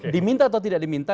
diminta atau tidak diminta